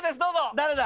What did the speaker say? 誰だ？